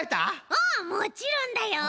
うんもちろんだよ！